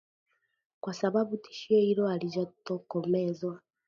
kwa sababu tishio hilo halijatokomezwa